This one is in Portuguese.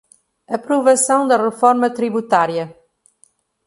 Aprovação da reforma tributária